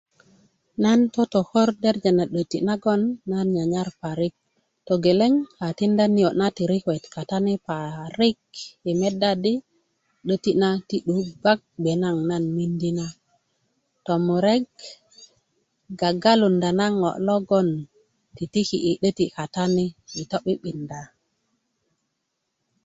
nan totokor derja na 'döti' nagoŋ nan nyanyar parik togeleŋ na a tinda niyo' na tirikuwet parik yi meda di 'döti' na ti 'duu gbak gbe nagoŋ na miindi na tomurek gagalunda na ŋo logoŋ tiki' yi 'döti' kata ni yi to'bi'binda